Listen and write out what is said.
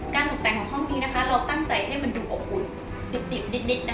การหนุ่มแต่งของห้องนี้นะคะเราตั้งใจให้มันดูอบอุ่นดิบดิบนะคะ